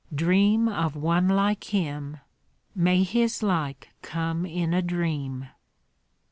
"Dream of one like him!" "May his like come in a dream!"